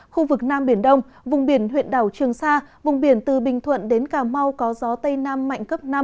khu vực nam biển đông vùng biển huyện đảo trường sa vùng biển từ bình thuận đến cà mau có gió tây nam mạnh cấp năm